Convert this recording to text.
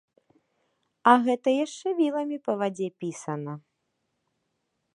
А гэта яшчэ віламі па вадзе пісана.